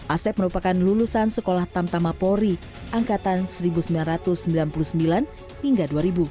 asep merupakan lulusan sekolah tamtama polri angkatan seribu sembilan ratus sembilan puluh sembilan hingga dua ribu